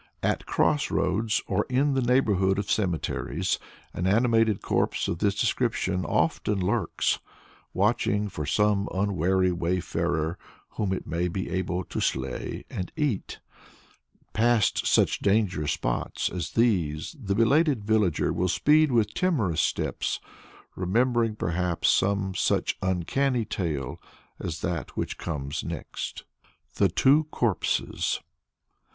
At cross roads, or in the neighborhood of cemeteries, an animated corpse of this description often lurks, watching for some unwary wayfarer whom it may be able to slay and eat. Past such dangerous spots as these the belated villager will speed with timorous steps, remembering, perhaps, some such uncanny tale as that which comes next. THE TWO CORPSES.